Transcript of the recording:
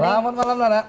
selamat malam mbak nana